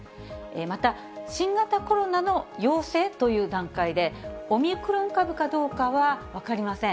また新型コロナの陽性という段階で、オミクロン株かどうかは分かりません。